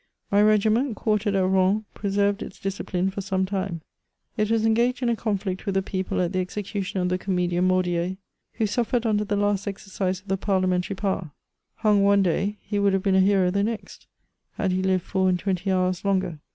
My regiment, quartered at Rouen, preserved its discipline for some time ; it was engaged in a conflict with the people at the execution of the comedian Bordier, who suffered under the last exercise of the parliamentary power; hung one day, he would have been a hero the next, had he lived four and twenty hours longer.